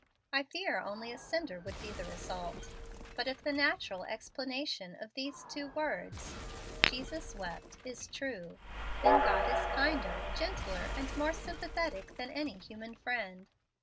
I fear only a cinder would be the result. But if the natural explanation of these two words, 'Jesus wept,' is true, then God is kinder, gentler, and more sympathetic than any human friend.